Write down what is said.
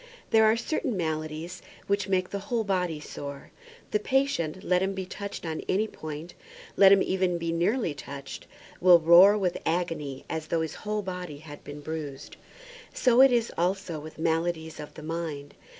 There are certain maladies which make the whole body sore. The patient, let him be touched on any point, let him even be nearly touched, will roar with agony as though his whole body had been bruised. So it is also with maladies of the mind.